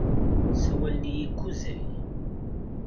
Ssawalen-iyi Kuzey.